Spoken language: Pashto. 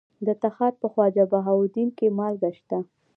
د تخار په خواجه بهاوالدین کې مالګه شته.